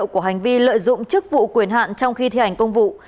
chỉ lợi dụng chức vụ quyền hạn trong khi thi hành công vụ